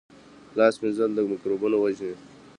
لاس مینځل مکروبونه وژني